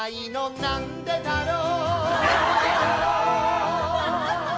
なんでだろう！